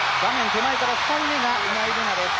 手前から２人目が今井月です。